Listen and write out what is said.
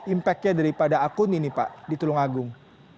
impact nya daripada akun ini pak di tulung agung